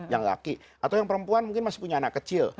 yang laki atau yang perempuan mungkin masih punya anak kecil